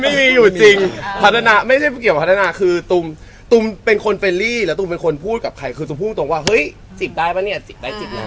ไม่มีอยู่จริงพัฒนาไม่ใช่เกี่ยวพัฒนาคือตุมเป็นคนเฟรลี่แล้วตูมเป็นคนพูดกับใครคือตุ้มพูดตรงว่าเฮ้ยจิกได้ป่ะเนี่ยจิกได้จิบแล้ว